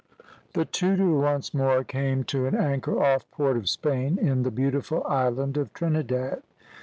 The Tudor once more came to an anchor off Port of Spain, in the beautiful island of Trinidad.